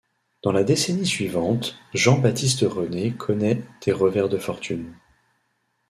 Dans la décennie suivante, Jean-Baptiste-René connait des revers de fortune.